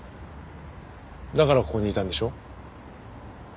だからここにいたんでしょ？